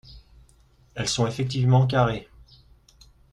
Elles sont effectivement carrées.